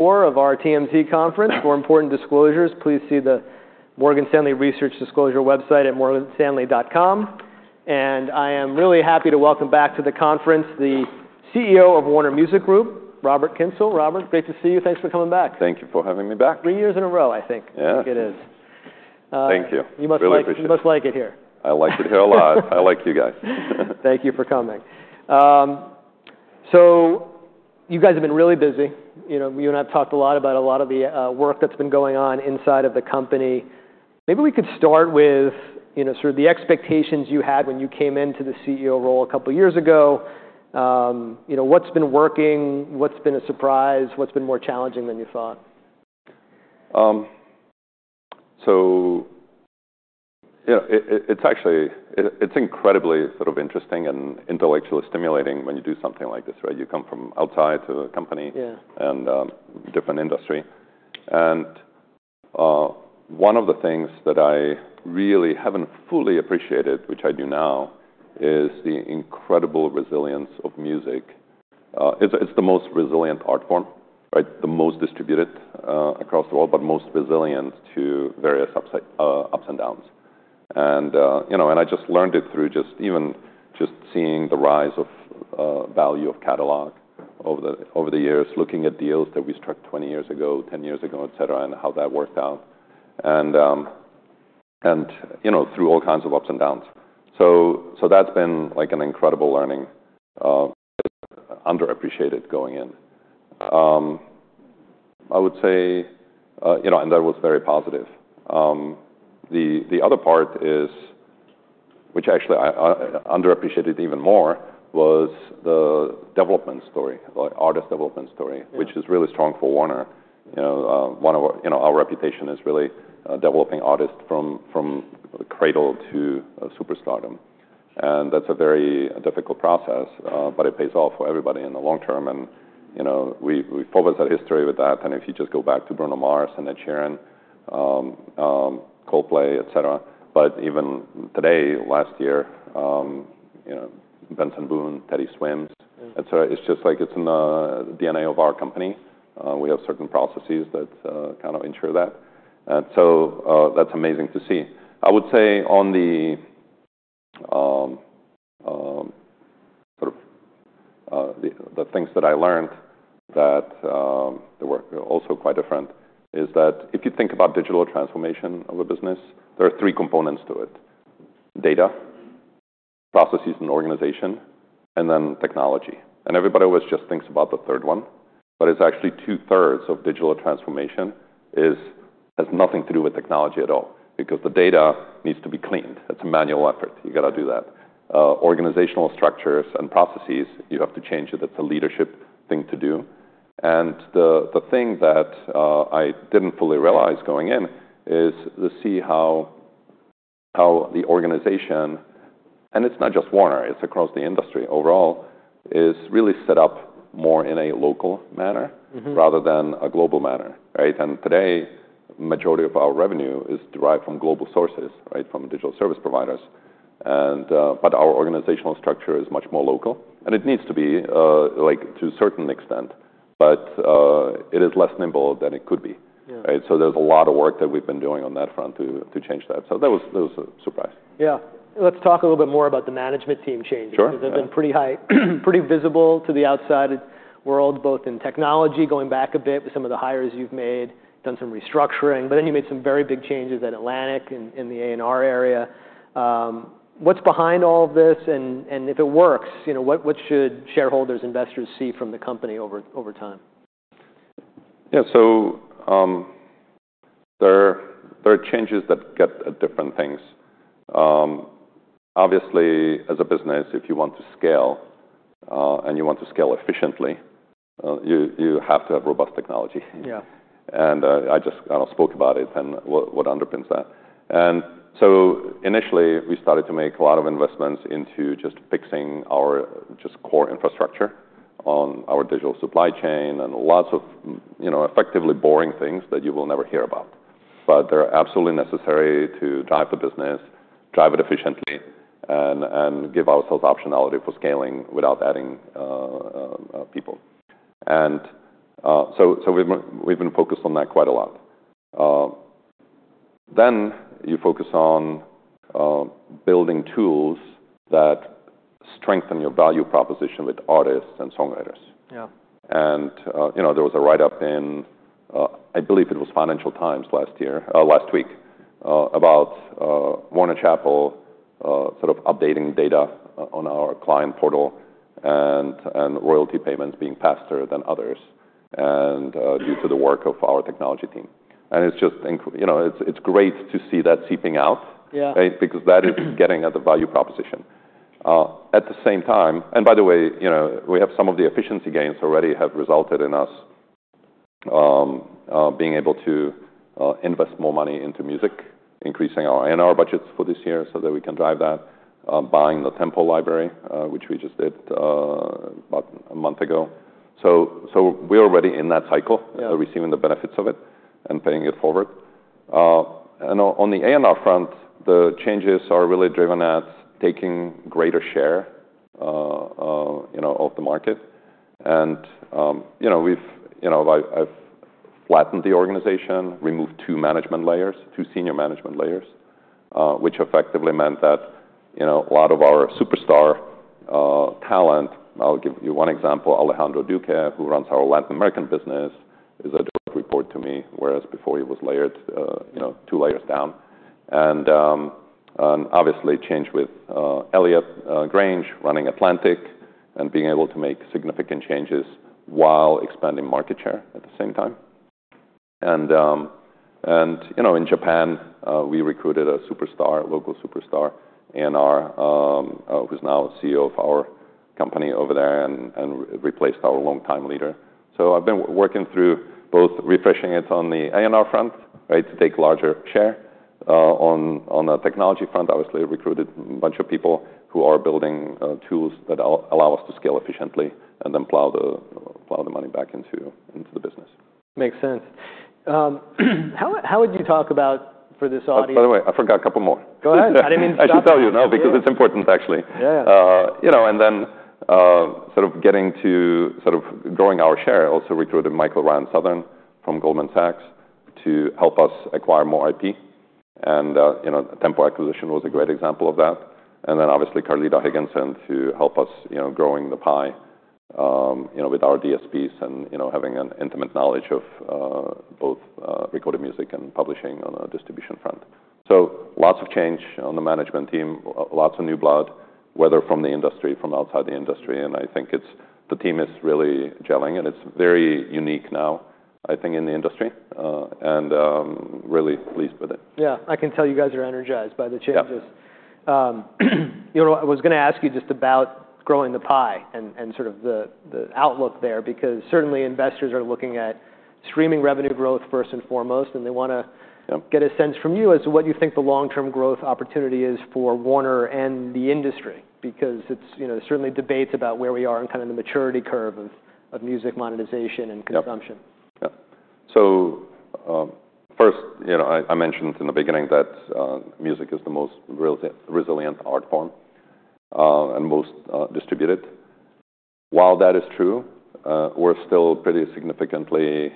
For our TMT Conference for important disclosures. Please see the Morgan Stanley Research Disclosure website at morganstanley.com. I am really happy to welcome back to the conference the CEO of Warner Music Group, Robert Kyncl. Robert, great to see you. Thanks for coming back. Thank you for having me back. Three years in a row, I think. Yeah. It is. Thank you. You must like it here. I like it here a lot. I like you guys. Thank you for coming. So you guys have been really busy. You and I have talked a lot about a lot of the work that's been going on inside of the company. Maybe we could start with sort of the expectations you had when you came into the CEO role a couple of years ago. What's been working? What's been a surprise? What's been more challenging than you thought? It's actually incredibly sort of interesting and intellectually stimulating when you do something like this you come from outside to a company and a different industry. One of the things that I really haven't fully appreciated, which I do now, is the incredible resilience of music. It's the most resilient art form, the most distributed across the world, but most resilient to various ups and downs. I just learned it through just even seeing the rise of value of catalog over the years, looking at deals that we struck 20 years ago, 10 years ago, et cetera, and how that worked out, and through all kinds of ups and downs. That's been like an incredible learning. Underappreciated going in. I would say, and that was very positive. The other part is, which actually underappreciated even more, was the development story, artist development story, which is really strong for Warner. One of our reputations is really developing artists from cradle to superstardom. That's a very difficult process, but it pays off for everybody in the long term, We've published that history with that if you just go back to Bruno Mars and Ed Sheeran, Coldplay, et cetera, but even today, last year. Benson Boone, Teddy Swims, et cetera. It's just like it's in the DNA of our company. We have certain processes that kind of ensure that. So that's amazing to see. I would say on the sort of things that I learned that were also quite different is that if you think about digital transformation of a business, there are three components to it: data, processes, and organization, and then technology. And everybody always just thinks about the third one. But it's actually two-thirds of digital transformation has nothing to do with technology at all because the data needs to be cleaned, It's a manual effort you've got to do that. Organizational structures and processes, you have to change it that's a leadership thing to do. And the thing that I didn't fully realize going in is to see how the organization, and it's not just Warner, it's across the industry overall, is really set up more in a local manner rather than a global manner. And today, the majority of our revenue is derived from global sources, from digital service providers. But our organizational structure is much more local. And it needs to be to a certain extent, but it is less nimble than it could be. There's a lot of work that we've been doing on that front to change that that was a surprise. Yeah. Let's talk a little bit more about the management team changes. Sure. They've been pretty visible to the outside world, both in technology, going back a bit with some of the hires you've made, done some restructuring, But then you made some very big changes at Atlantic in the A&R area. What's behind all of this? And if it works, what should shareholders, investors see from the company over time? Yeah, so there are changes that get at different things. Obviously, as a business, if you want to scale and you want to scale efficiently, you have to have robust technology, and I just spoke about it and what underpins that, and so initially, we started to make a lot of investments into just fixing our just core infrastructure on our digital supply chain and lots of effectively boring things that you will never hear about. But they're absolutely necessary to drive the business, drive it efficiently, and give ourselves optionality for scaling without adding people, and so we've been focused on that quite a lot, then you focus on building tools that strengthen your value proposition with artists and songwriters. And there was a write-up in, I believe, Financial Times last week about Warner Chappell sort of updating data on our client portal and royalty payments being faster than others due to the work of our technology team. And it's just great to see that seeping out because that is getting at the value proposition. At the same time, and by the way, we have some of the efficiency gains already have resulted in us being able to invest more money into music, increasing our A&R budgets for this year so that we can drive that, buying the Tempo library, which we just did about a month ago. So we're already in that cycle, receiving the benefits of it and paying it forward. And on the A&R front, the changes are really driven at taking greater share of the market. We've flattened the organization, removed two management layers, two senior management layers, which effectively meant that a lot of our superstar talent. I'll give you one example, Alejandro Duque, who runs our Latin American business, is a direct report to me, whereas before he was layered two layers down. And obviously, changes with Elliott Grange running Atlantic and being able to make significant changes while expanding market share at the same time. And in Japan, we recruited a superstar, local superstar, who's now CEO of our company over there and replaced our long-time leader. So I've been working through both refreshing it on the A&R front to take larger share. On the technology front, obviously, I recruited a bunch of people who are building tools that allow us to scale efficiently and then plow the money back into the business. Makes sense. How would you talk about for this audience? By the way, I forgot a couple more. Go ahead. I didn't mean to stop you. I should tell you, no, because it's important, actually, and then sort of growing our share, I also recruited Michael Ryan Southern from Goldman Sachs to help us acquire more IP. And Tempo acquisition was a great example of that. And then obviously, Carletta Higginson to help us growing the pie with our DSPs and having an intimate knowledge of both recorded music and publishing on a distribution front. So lots of change on the management team, lots of new blood, whether from the industry, from outside the industry and I think the team is really gelling and it's very unique now, I think, in the industry and really pleased with it. Yeah. I can tell you guys are energized by the changes. I was going to ask you just about growing the pie and sort of the outlook there because certainly investors are looking at streaming revenue growth first and foremost and they want to get a sense from you as to what you think the long-term growth opportunity is for Warner and the industry because there's certainly debates about where we are and kind of the maturity curve of music monetization and consumption. Yeah, so first, I mentioned in the beginning that music is the most resilient art form and most distributed. While that is true, we're still pretty significantly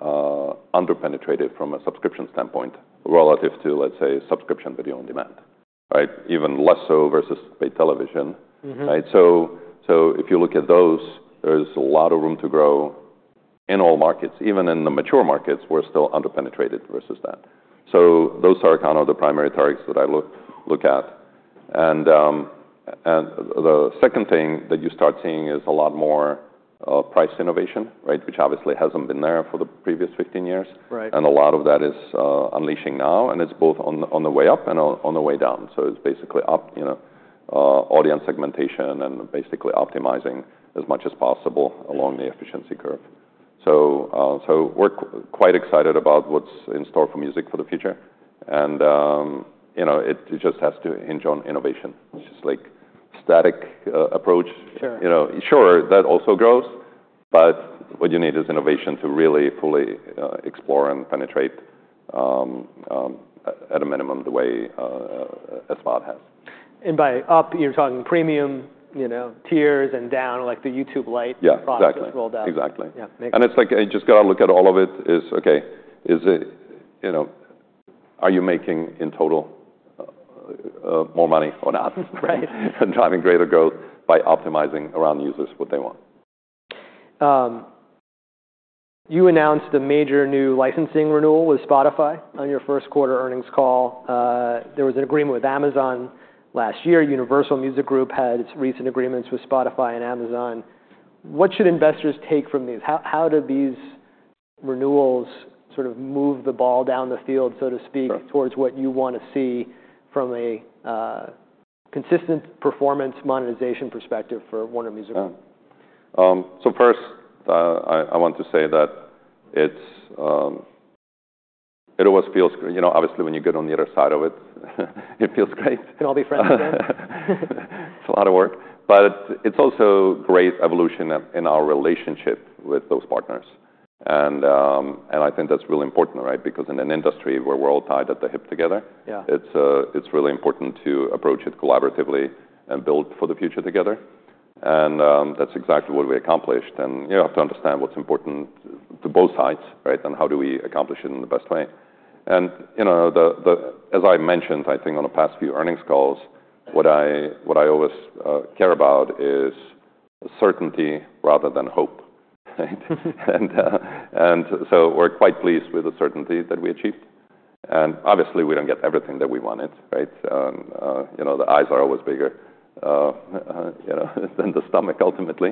underpenetrated from a subscription standpoint relative to, let's say, subscription video on demand, even less so versus paid television, so if you look at those, there is a lot of room to grow in all markets even in the mature markets, we're still underpenetrated versus that. So those are kind of the primary targets that I look at, and the second thing that you start seeing is a lot more price innovation, which obviously hasn't been there for the previous 15 years, and a lot of that is unleashing now, and it's both on the way up and on the way down, so it's basically audience segmentation and basically optimizing as much as possible along the efficiency curve. We're quite excited about what's in store for music for the future. It just has to hinge on innovation. It's just like a static approach. Sure, that also grows. But what you need is innovation to really fully explore and penetrate at a minimum the way Spotify has. By up, you're talking premium tiers and down, like the YouTube Premium Lite product was rolled out. Yeah. Exactly. Yeah. Makes sense. And it's like you just got to look at all of it as, OK, are you making in total more money or not and driving greater growth by optimizing around users what they want? You announced a major new licensing renewal with Spotify on your Q1 earnings call. There was an agreement with Amazon last year, Universal Music Group had its recent agreements with Spotify and Amazon. What should investors take from these? How do these renewals sort of move the ball down the field, so to speak, towards what you want to see from a consistent performance monetization perspective for Warner Music Group? First, I want to say that it always feels good obviously, when you get on the other side of it, it feels great. Can all be friends again? It's a lot of work. But it's also great evolution in our relationship with those partners. And I think that's really important because in an industry where we're all tied at the hip together, it's really important to approach it collaboratively and build for the future together. And that's exactly what we accomplished. And you have to understand what's important to both sides and how do we accomplish it in the best way. And as I mentioned, I think on the past few earnings calls, what I always care about is certainty rather than hope. And so we're quite pleased with the certainty that we achieved. And obviously, we don't get everything that we wanted. The eyes are always bigger than the stomach, ultimately.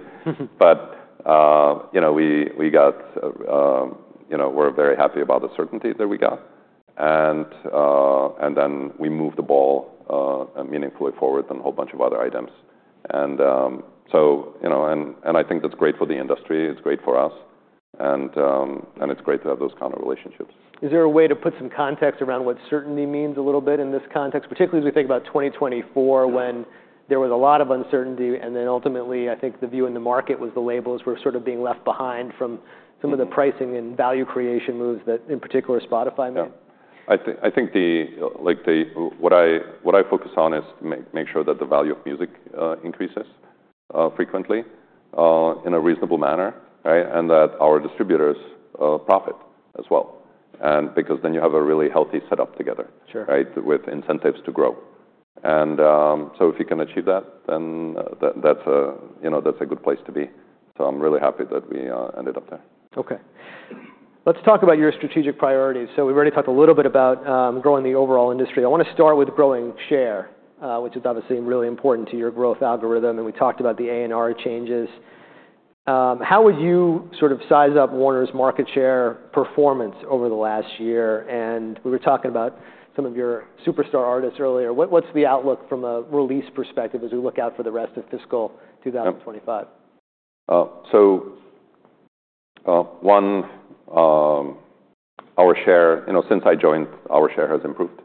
But we got. We're very happy about the certainty that we got. And then we moved the ball meaningfully forward and a whole bunch of other items. And I think that's great for the industry. It's great for us. And it's great to have those kind of relationships. Is there a way to put some context around what certainty means a little bit in this context, particularly as we think about 2024 when there was a lot of uncertainty? And then ultimately, I think the view in the market was the labels were sort of being left behind from some of the pricing and value creation moves that, in particular, Spotify made. Yeah. I think what I focus on is to make sure that the value of music increases frequently in a reasonable manner and that our distributors profit as well because then you have a really healthy setup together with incentives to grow. And so if you can achieve that, then that's a good place to be. So I'm really happy that we ended up there. OK. Let's talk about your strategic priorities so we've already talked a little bit about growing the overall industry. I want to start with growing share, which is obviously really important to your growth algorithm and we talked about the A&R changes. How would you sort of size up Warner's market share performance over the last year and we were talking about some of your superstar artists earlier what's the outlook from a release perspective as we look out for the rest of fiscal 2025? So, one, our share since I joined, our share has improved,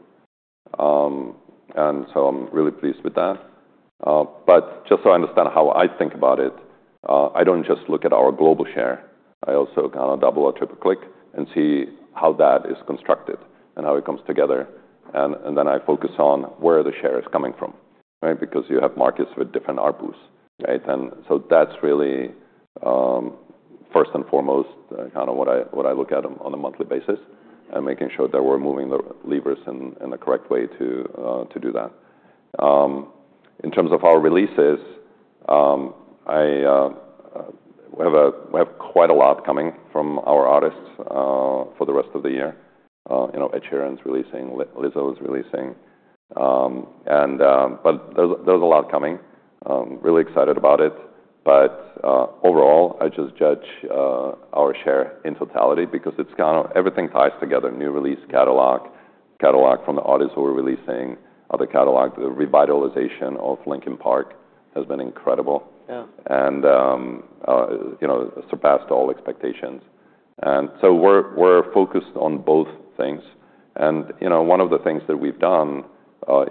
and so I'm really pleased with that, but just so I understand how I think about it, I don't just look at our global share. I also kind of double- or triple-click and see how that is constructed and how it comes together, and then I focus on where the share is coming from because you have markets with different ARPUs, and so that's really first and foremost kind of what I look at on a monthly basis and making sure that we're moving the levers in the correct way to do that. In terms of our releases, we have quite a lot coming from our artists for the rest of the year. Ed Sheeran's releasing. Lizzo's releasing, but there's a lot coming. Really excited about it. But overall, I just judge our share in totality because it's kind of everything ties together: new release, catalog, catalog from the artists who are releasing, other catalog the revitalization of Linkin Park has been incredible and surpassed all expectations. And so we're focused on both things, And one of the things that we've done,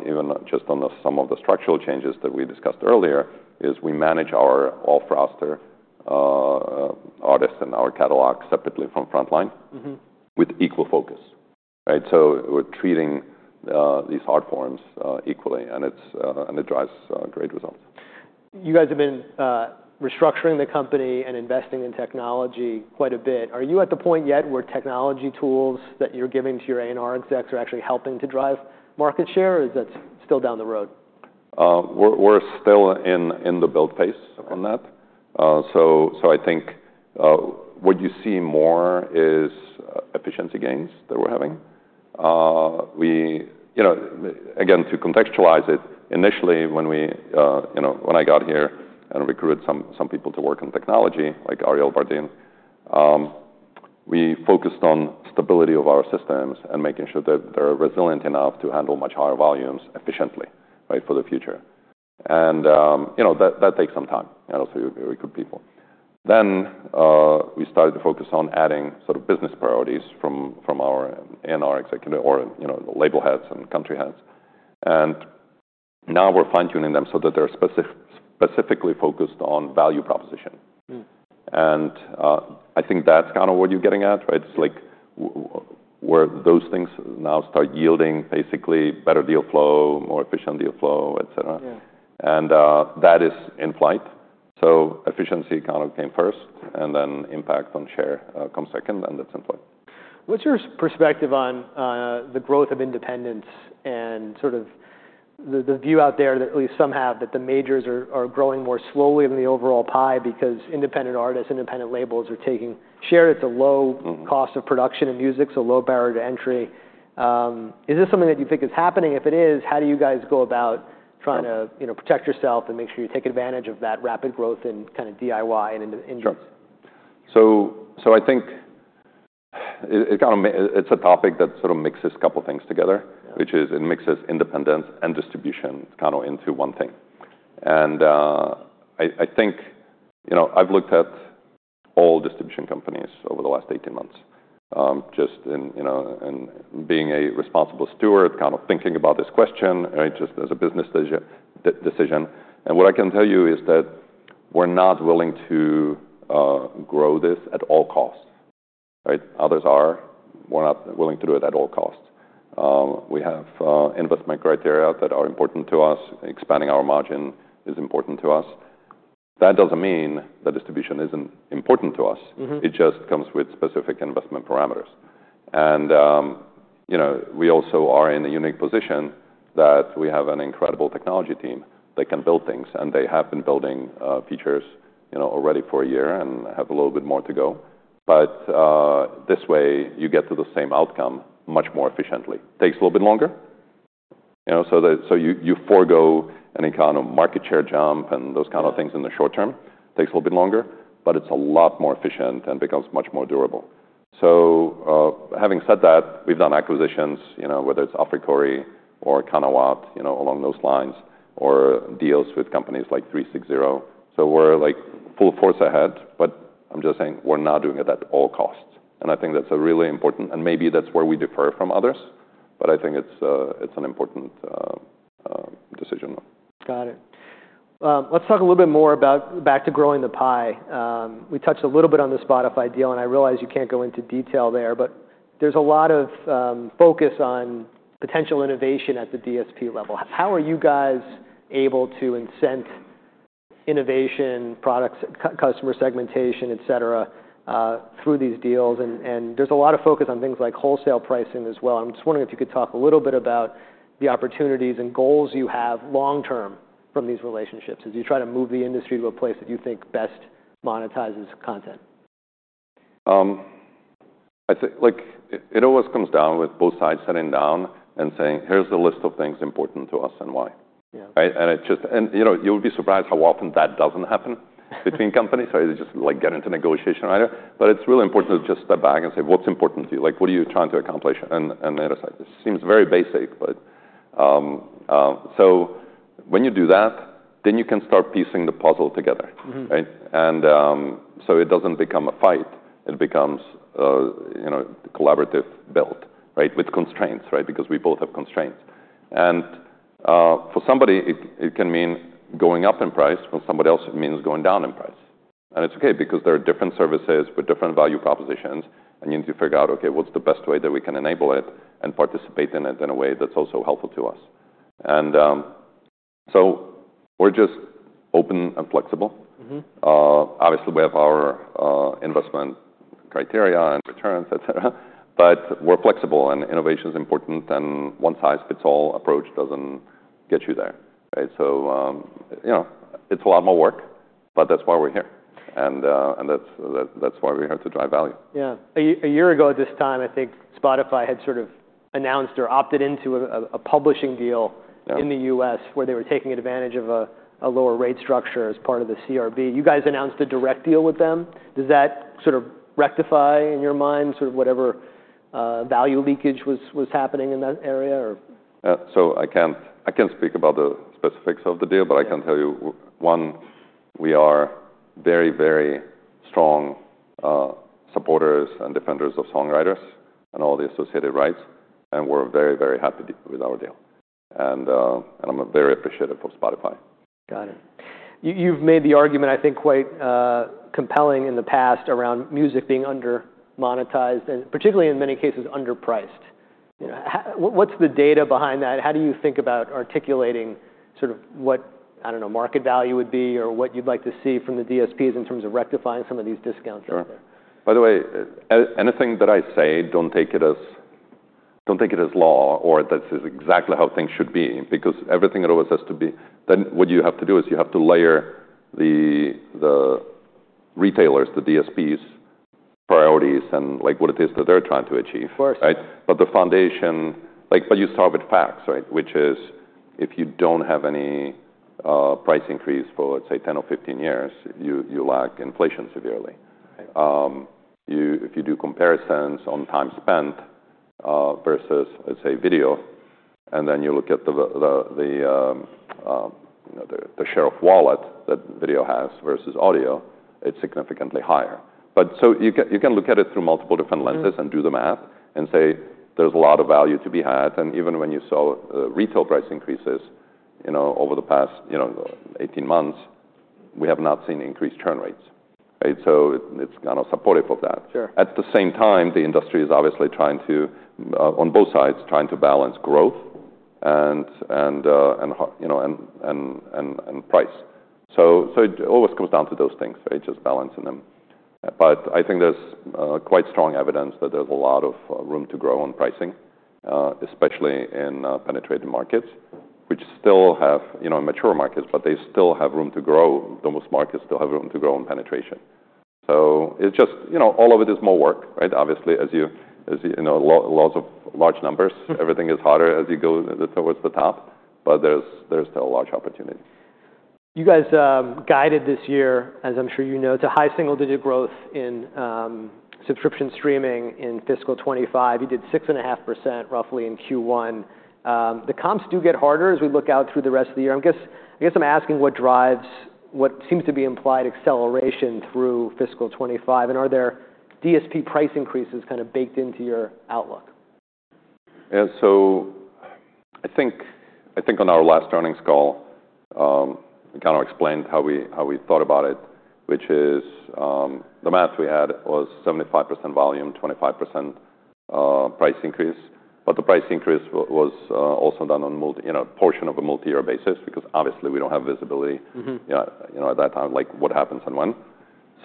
even just on some of the structural changes that we discussed earlier, is we manage our all-roster artists and our catalog separately from frontline with equal focus. So we're treating these art forms equally and it drives great results. You guys have been restructuring the company and investing in technology quite a bit, Are you at the point yet where technology tools that you're giving to your A&R and execs are actually helping to drive market share? Or is that still down the road? We're still in the build phase on that. So I think what you see more is efficiency gains that we're having. Again, to contextualize it, initially when I got here and recruited some people to work on technology like Ariel Bardin, we focused on stability of our systems and making sure that they're resilient enough to handle much higher volumes efficiently for the future, and that takes some time to recruit people. Then we started to focus on adding sort of business priorities from our A&R executive or label heads and country heads, and now we're fine-tuning them so that they're specifically focused on value proposition. I think that's kind of what you're getting at, It's like where those things now start yielding basically better deal flow, more efficient deal flow, et cetera, and that is in flight. So efficiency kind of came first. And then impact on share comes second and that's in flight. What's your perspective on the growth of independents and sort of the view out there that at least some have that the majors are growing more slowly than the overall pie because independent artists, independent labels are taking share it's a low cost of production in music, so low barrier to entry. Is this something that you think is happening? If it is, how do you guys go about trying to protect yourself and make sure you take advantage of that rapid growth in kind of DIY and indie? Sure. So I think it's a topic that sort of mixes a couple of things together, which is it mixes independence and distribution kind of into one thing. And I think I've looked at all distribution companies over the last 18 months just in being a responsible steward, kind of thinking about this question just as a business decision. And what I can tell you is that we're not willing to grow this at all costs. Others are. We're not willing to do it at all costs. We have investment criteria that are important to us. Expanding our margin is important to us. That doesn't mean that distribution isn't important to us. It just comes with specific investment parameters. And we also are in a unique position that we have an incredible technology team that can build things they have been building features already for a year and have a little bit more to go. But this way, you get to the same outcome much more efficiently. Takes a little bit longer. So you forgo any kind of market share jump and those kind of things in the short term. Takes a little bit longer. But it's a lot more efficient and becomes much more durable. So having said that, we've done acquisitions, whether it's Africori or Qanawat along those lines or deals with companies like. So we're full force ahead. But I'm just saying we're not doing it at all costs. And I think that's really important and maybe that's where we differ from others. But I think it's an important decision. Got it. Let's talk a little bit more about back to growing the pie. We touched a little bit on the Spotify deal, and I realize you can't go into detail there, but there's a lot of focus on potential innovation at the DSP level. How are you guys able to incent innovation, products, customer segmentation, et cetera, through these deals, and there's a lot of focus on things like wholesale pricing as well im just wondering if you could talk a little bit about the opportunities and goals you have long term from these relationships as you try to move the industry to a place that you think best monetizes content. It always comes down with both sides sitting down and saying, here's a list of things important to us and why? And you'll be surprised how often that doesn't happen between companies. Or you just get into negotiation earlier. But it's really important to just step back and say, what's important to you? What are you trying to accomplish? And the other side, This seems very basic. So when you do that, then you can start piecing the puzzle together. And so it doesn't become a fight. It becomes a collaborative build with constraints because we both have constraints. And for somebody, it can mean going up in price. For somebody else, it means going down in price. And it's OK because there are different services with different value propositions. And you need to figure out, OK, what's the best way that we can enable it and participate in it in a way that's also helpful to us. And so we're just open and flexible. Obviously, we have our investment criteria and returns, et cetera but we're flexible and innovation is important and one-size-fits-all approach doesn't get you there. So it's a lot more work. But that's why we're here. And that's why we're here to drive value. Yeah. A year ago at this time, I think Spotify had sort of announced or opted into a publishing deal in the U.S. where they were taking advantage of a lower rate structure as part of the CRB you guys announced a direct deal with them. Does that sort of rectify in your mind? sort of whatever value leakage was happening in that area? I can't speak about the specifics of the deal, I can tell you one, we are very, very strong supporters and defenders of songwriters and all the associated rights. We're very, very happy with our deal. I'm very appreciative of Spotify. Got it. You've made the argument, I think, quite compelling in the past around music being under-monetized and particularly in many cases underpriced. What's the data behind that? How do you think about articulating sort of what market value would be or what you'd like to see from the DSPs in terms of rectifying some of these discounts? Sure. By the way, anything that I say, don't take it as law or that this is exactly how things should be because everything always has to be then what you have to do is you have to layer the retailers, the DSPs, priorities, and what it is that they're trying to achieve. Of course. But the foundation, you start with facts, which is if you don't have any price increase for, let's say, 10 or 15 years, you lack inflation severely. If you do comparisons on time spent versus, let's say, video, and then you look at the share of wallet that video has versus audio, it's significantly higher. So you can look at it through multiple different lenses and do the math and say there's a lot of value to be had. And even when you saw retail price increases over the past 18 months, we have not seen increased churn rates. So it's kind of supportive of that. At the same time, the industry is obviously trying to, on both sides, trying to balance growth and price. So it always comes down to those things, just balancing them. But I think there's quite strong evidence that there's a lot of room to grow on pricing, especially in penetrating markets, which still have mature markets but they still have room to grow, Those markets still have room to grow in penetration. So it's just all of it is more work, Obviously, as you know, laws of large numbers, everything is harder as you go towards the top. But there's still a large opportunity. You guys guided this year, as I'm sure you know, to high single-digit growth in subscription streaming in fiscal 2025. You did 6.5% roughly in Q1. The comps do get harder as we look out through the rest of the year. I guess I'm asking what drives what seems to be implied acceleration through fiscal 2025. And are there DSP price increases kind of baked into your outlook? And so I think on our last earnings call, we kind of explained how we thought about it, which is the math we had was 75% volume, 25% price increase. But the price increase was also done on a portion of a multi-year basis because obviously, we don't have visibility at that time like what happens and when.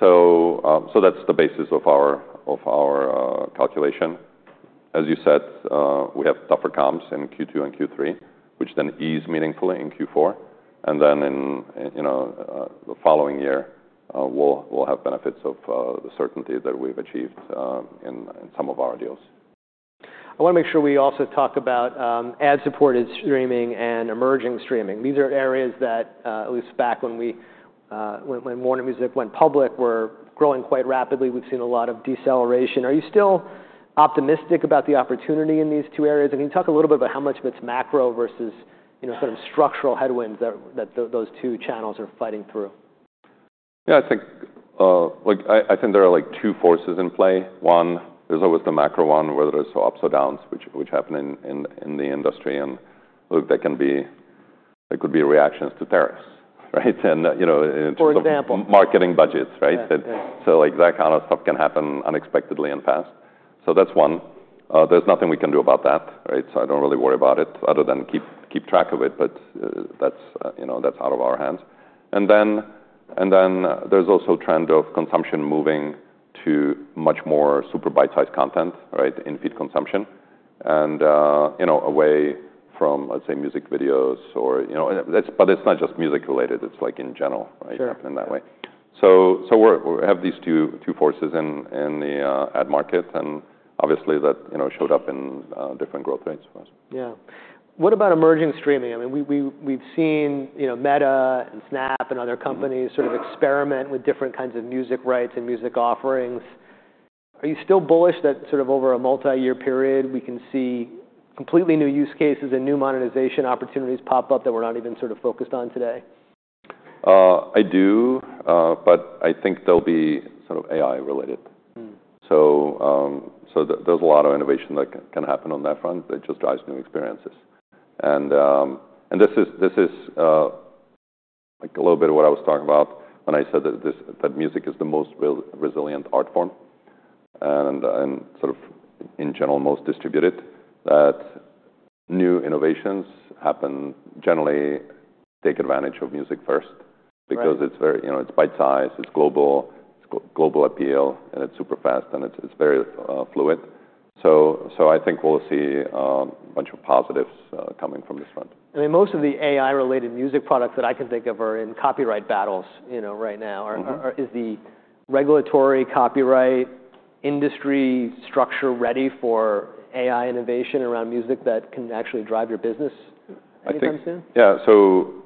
So that's the basis of our calculation. As you said, we have tougher comps in Q2 and Q3, which then ease meaningfully in Q4. And then in the following year, we'll have benefits of the certainty that we've achieved in some of our deals. I want to make sure we also talk about ad-supported streaming and emerging streaming, These are areas that at least back when Warner Music went public, were growing quite rapidly we've seen a lot of deceleration, Are you still optimistic about the opportunity in these two areas? And can you talk a little bit about how much of it's macro versus sort of structural headwinds that those two channels are fighting through? Yeah. I think there are two forces in play. One, there's always the macro one, whether it's ups or downs, which happen in the industry. And that could be reactions to tariffs. For example. Marketing budgets, so that kind of stuff can happen unexpectedly in the past. That's one. There's nothing we can do about that, so I don't really worry about it other than keep track of it. But that's out of our hands, and then there's also a trend of consumption moving to much more super bite-sized content in-feed consumption and away from, let's say, music videos, But it's not just music-related it's like in general in that way, so we have these two forces in the ad market, and obviously, that showed up in different growth rates for us. Yeah. What about emerging streaming? I mean, we've seen Meta and Snap and other companies sort of experiment with different kinds of music rights and music offerings. Are you still bullish that sort of over a multi-year period, we can see completely new use cases and new monetization opportunities pop up that we're not even sort of focused on today? I do. But I think they'll be sort of AI-related. So there's a lot of innovation that can happen on that front that just drives new experiences. And this is a little bit of what I was talking about when I said that music is the most resilient art form and sort of in general most distributed, that new innovations happen generally take advantage of music first because it's bite-sized it's global, It's global appeal. And it's super fast, And it's very fluid. So I think we'll see a bunch of positives coming from this front. I mean, most of the AI-related music products that I can think of are in copyright battles right now, Is the regulatory copyright industry structure ready for AI innovation around music that can actually drive your business anytime soon? Yeah, so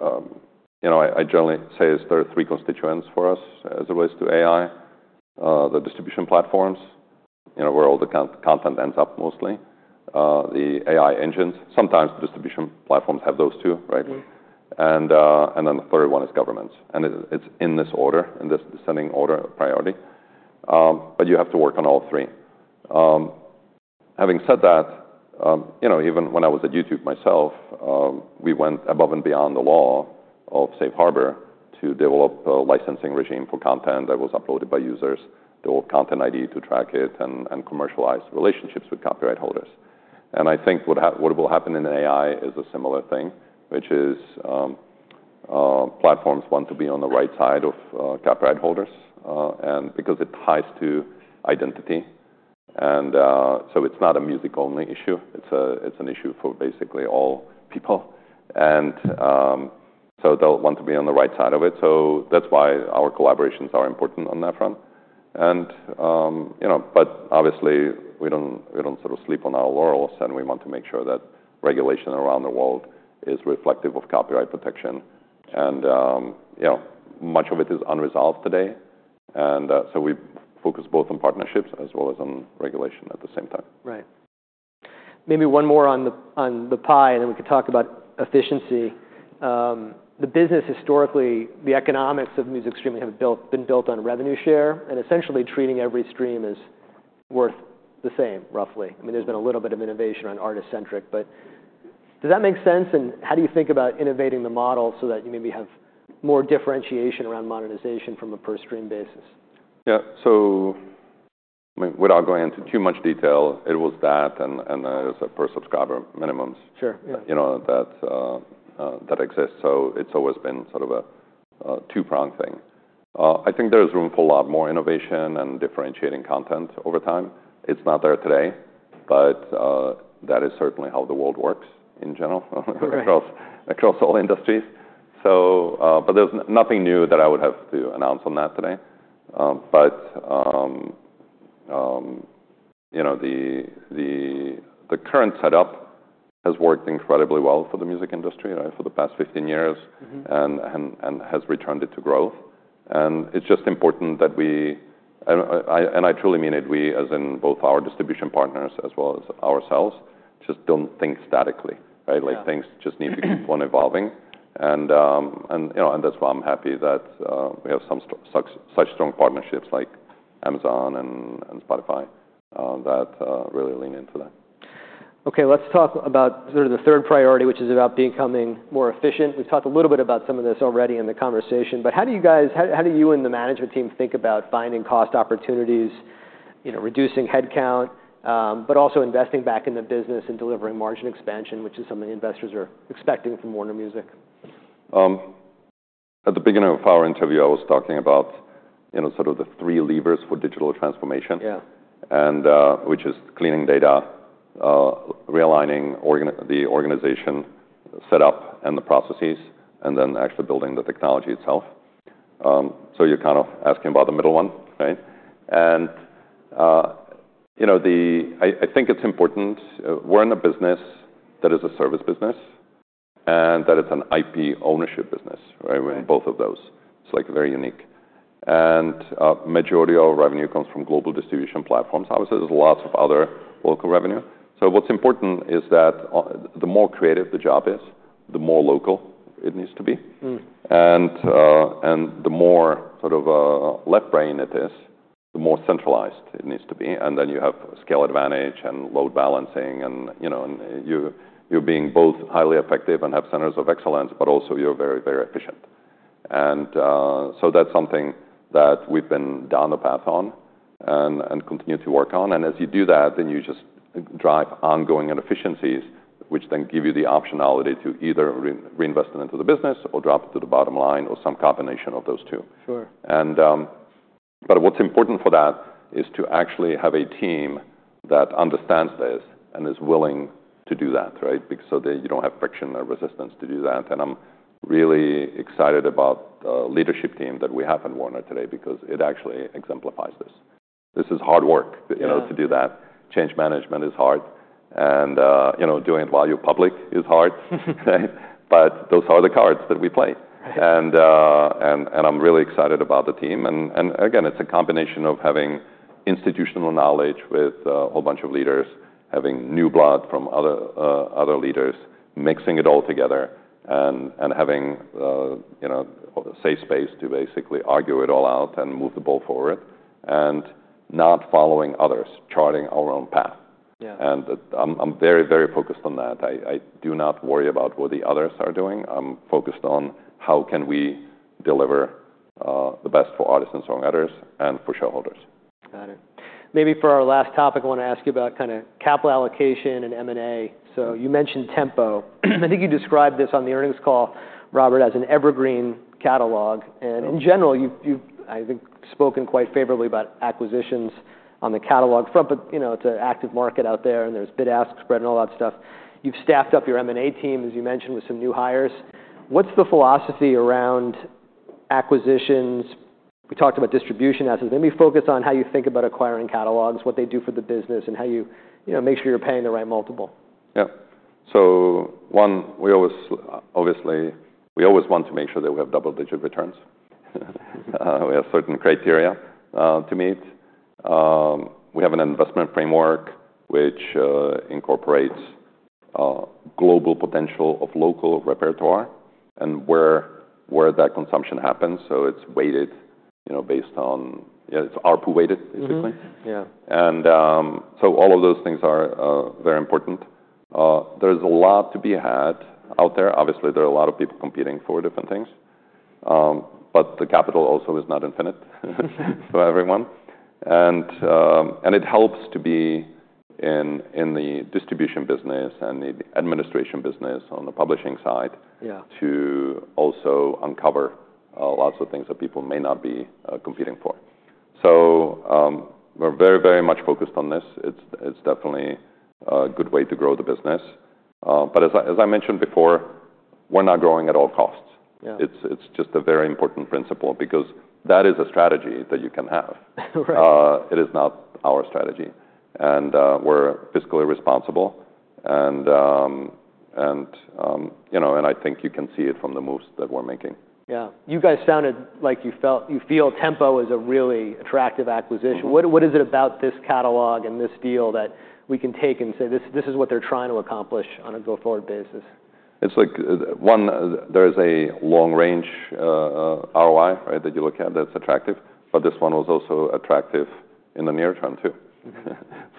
I generally say there are three constituents for us as it relates to AI: the distribution platforms, where all the content ends up mostly. The AI engines. Sometimes the distribution platforms have those two, and then the third one is governments, and it's in this order, in this descending order of priority, but you have to work on all three. Having said that, even when I was at YouTube myself, we went above and beyond the law of Safe Harbor to develop a licensing regime for content that was uploaded by users, the old Content ID to track it, and commercialized relationships with copyright holders, and I think what will happen in AI is a similar thing, which is platforms want to be on the right side of copyright holders because it ties to identity, and so it's not a music-only issue. It's an issue for basically all people. And so they'll want to be on the right side of it, so that's why our collaborations are important on that front, but obviously, we don't sort of sleep on our laurels, and we want to make sure that regulation around the world is reflective of copyright protection, and much of it is unresolved today, and so we focus both on partnerships as well as on regulation at the same time. Right. Maybe one more on the pie, And then we could talk about efficiency. The business historically, the economics of music streaming have been built on revenue share and essentially treating every stream as worth the same, roughly. I mean, there's been a little bit of innovation on artist-centric but, does that make sense? And how do you think about innovating the model so that you maybe have more differentiation around monetization from a per-stream basis? Yeah. So without going into too much detail, it was that, And there's a per-subscriber minimum, that exists so it's always been sort of a two-prong thing. I think there is room for a lot more innovation and differentiating content over time. It's not there today. But that is certainly how the world works in general across all industries. But there's nothing new that I would have to announce on that today. But the current setup has worked incredibly well for the music industry for the past 15 years and has returned it to growth. And it's just important that we, and I truly mean it, we, as in both our distribution partners as well as ourselves, just don't think statically, Things just need to keep on evolving. And that's why I'm happy that we have some such strong partnerships like Amazon and Spotify that really lean into that. OK. Let's talk about sort of the third priority, which is about becoming more efficient we've talked a little bit about some of this already in the conversation, But how do you and the management team think about finding cost opportunities, reducing headcount, but also investing back in the business and delivering margin expansion, which is something investors are expecting from Warner Music? At the beginning of our interview, I was talking about sort of the three levers for digital transformation, which is cleaning data, realigning the organization setup and the processes, and then actually building the technology itself. So you're kind of asking about the middle one. And I think it's important. We're in a business that is a service business and that it's an IP ownership business we're in both of those. It's very unique. And majority of our revenue comes from global distribution platforms obviously, there's lots of other local revenue. So what's important is that the more creative the job is, the more local it needs to be. And the more sort of left-brained it is, the more centralized it needs to be, And then you have scale advantage and load balancing, And you're being both highly effective and have centers of excellence, but also you're very, very efficient. And so that's something that we've been down the path on and continue to work on and as you do that, then you just drive ongoing inefficiencies, which then give you the optionality to either reinvest it into the business or drop it to the bottom line or some combination of those two. But what's important for that is to actually have a team that understands this and is willing to do that so that you don't have friction or resistance to do that and I'm really excited about the leadership team that we have at Warner today because it actually exemplifies this. This is hard work to do that. Change management is hard. And doing it while you're public is hard. But those are the cards that we play. And I'm really excited about the team. And again, it's a combination of having institutional knowledge with a whole bunch of leaders, having new blood from other leaders, mixing it all together, and having a safe space to basically argue it all out and move the ball forward and not following others, charting our own path. And I'm very, very focused on that i do not worry about what the others are doing, I'm focused on how can we deliver the best for artists and songwriters and for shareholders. Got it. Maybe for our last topic, I want to ask you about kind of capital allocation and M&A. So you mentioned Tempo. I think you described this on the earnings call, Robert, as an evergreen catalog. And in general, you've, I think, spoken quite favorably about acquisitions on the catalog front, But it's an active market out there and there's bid-ask spread and all that stuff. You've staffed up your M&A team, as you mentioned, with some new hires. What's the philosophy around acquisitions? We talked about distribution assets maybe focus on how you think about acquiring catalogs, what they do for the business, and how you make sure you're paying the right multiple. Yeah. So one, we always want to make sure that we have double-digit returns. We have certain criteria to meet. We have an investment framework which incorporates global potential of local repertoire and where that consumption happens, So it's weighted based on its ARPU-weighted, basically. And so all of those things are very important. There's a lot to be had out there, Obviously, there are a lot of people competing for different things. But the capital also is not infinite for everyone. And it helps to be in the distribution business and the administration business on the publishing side to also uncover lots of things that people may not be competing for. So we're very, very much focused on this it's definitely a good way to grow the business. But as I mentioned before, we're not growing at all costs. It's just a very important principle because that is a strategy that you can have. It is not our strategy. And we're fiscally responsible. And I think you can see it from the moves that we're making. Yeah. You guys sounded like you feel Tempo is a really attractive acquisition. What is it about this catalog and this deal that we can take and say, this is what they're trying to accomplish on a go-forward basis? It's like, one. There is a long-range ROI that you look at that's attractive, but this one was also attractive in the near term, too,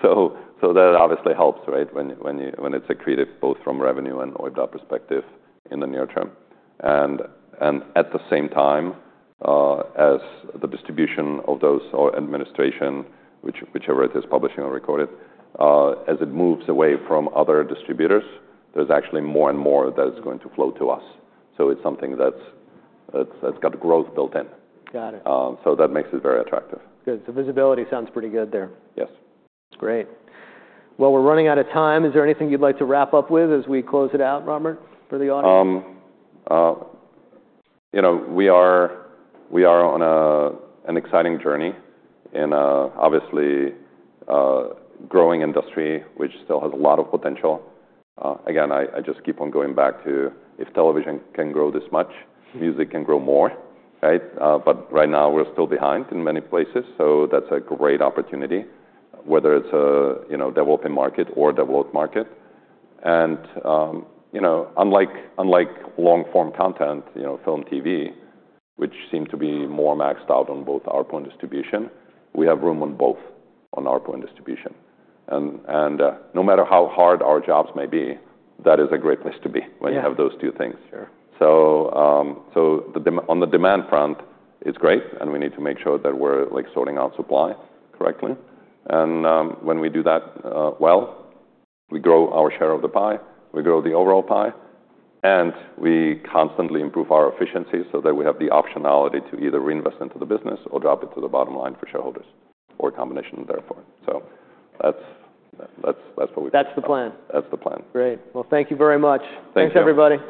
so that obviously helps when it's accretive both from revenue and OIBDA perspective in the near term, and at the same time, as the distribution of those or administration, whichever it is, publishing or recorded, as it moves away from other distributors, there's actually more and more that is going to flow to us, so it's something that's got growth built in, so that makes it very attractive. Good. So visibility sounds pretty good there. Yes. Great. Well, we're running out of time. Is there anything you'd like to wrap up with as we close it out, Robert, for the audience? We are on an exciting journey in an obviously growing industry, which still has a lot of potential. Again, I just keep on going back to if television can grow this much, music can grow more. But right now, we're still behind in many places, So that's a great opportunity, whether it's a developing market or developed market. And unlike long-form content, film, TV, which seem to be more maxed out on both ARPU and distribution, we have room on both on ARPU and distribution. And no matter how hard our jobs may be, that is a great place to be when you have those two things. So on the demand front, it's great, And we need to make sure that we're sorting out supply correctly. And when we do that well, we grow our share of the pie. We grow the overall pie. And we constantly improve our efficiencies so that we have the optionality to either reinvest into the business or drop it to the bottom line for shareholders or a combination therefore. So that's what we've done. That's the plan. That's the plan. Great. Well, thank you very much. Thank you. Thanks, everybody.